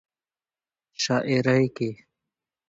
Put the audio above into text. شاعرۍ کې